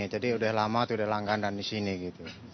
jadi udah lama tuh udah langganan di sini gitu